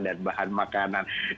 dan bahan makanan